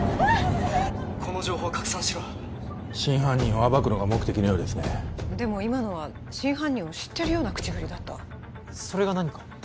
この情報を拡散しろ真犯人を暴くのが目的のようですねでも今のは真犯人を知ってるような口ぶりだったそれが何か？